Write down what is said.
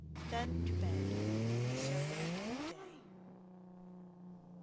Then to bed; and so ended the day.